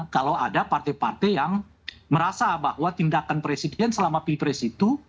kalau ada partai partai yang merasa bahwa tindakan presiden selama pprs itu